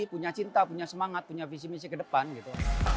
punya cinta punya semangat punya visi misi ke depan gitu